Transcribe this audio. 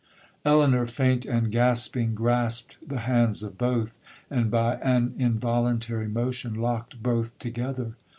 Elinor, faint and gasping, grasped the hands of both, and by an involuntary motion locked both together.